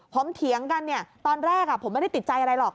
ผมเถียงกันตอนแรกผมไม่ได้ติดใจอะไรหรอก